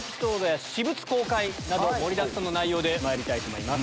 盛りだくさんの内容でまいりたいと思います。